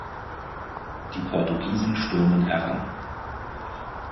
Die Portugiesen stürmen heran.